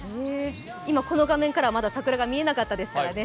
今、この画面からは桜が見えなかったですからね